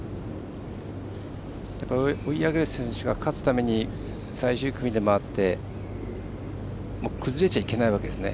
追い上げる選手が勝つために最終組で回って崩れちゃいけないわけですね。